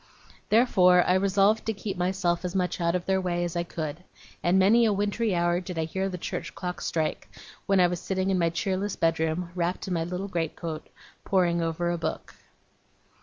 Therefore I resolved to keep myself as much out of their way as I could; and many a wintry hour did I hear the church clock strike, when I was sitting in my cheerless bedroom, wrapped in my little great coat, poring over a book.